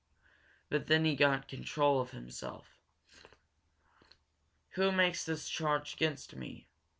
But then he got control of himself. "Who makes this charge against me!"